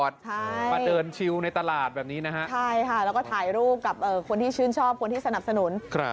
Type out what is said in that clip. เดี๋ยวจะบอกให้พี่รุธที่นั่งค่ะ